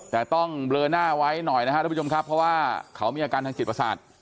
แต่ต้องเบลอหน้าไว้หน่อยนะครับทุกผู้ชมครับเพราะว่าเขามีอาการทางจิตประสาท